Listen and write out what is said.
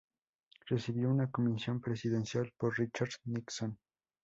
Recibió una Comisión Presidencial por Richard Nixon.